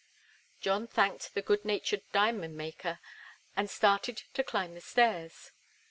John thanked the good natured diamond maker and started to climb the stairs.